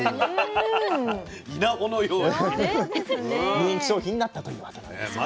人気商品になったというわけなんですね。